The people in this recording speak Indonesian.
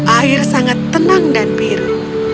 air sangat tenang dan biru